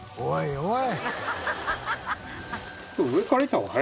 おい！